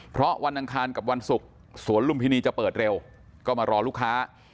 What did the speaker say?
เพราะวันอังคารกับวันศุกร์สวนลุมพินีจะเปิดเร็วก็มารอลูกค้า